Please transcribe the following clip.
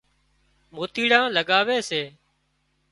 موتيڙان لڳاوي سي